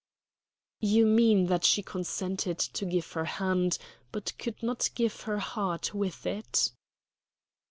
"You mean that she consented to give her hand, but could not give her heart with it."